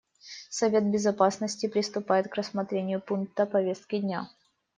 Совет Безопасности приступает к рассмотрению пункта повестки дня.